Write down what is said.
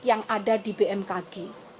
yang ada di bmkg